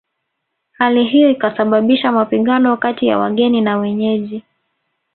Hali hiyo ikasababisha mapigano kati ya wageni na wenyeji